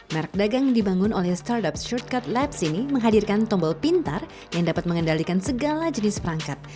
merek dagang dibangun oleh startup shortcut laps ini menghadirkan tombol pintar yang dapat mengendalikan segala jenis perangkat